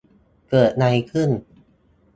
เกิดไรขึ้น ?